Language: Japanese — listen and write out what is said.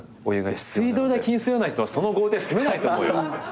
水道代気にするような人はその豪邸住めないと思うよ。